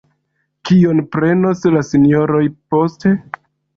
Kion prenos la Sinjoroj poste?